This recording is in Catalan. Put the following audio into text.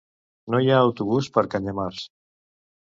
No hi ha autobús per Canyamars.